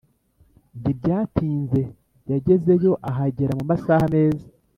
ntibyatinze yagezeyo, ahagera mumasaha meza